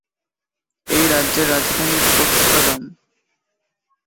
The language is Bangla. এই রাজ্যের রাজধানী পোট্সডাম।